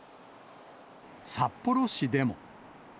札幌市でも。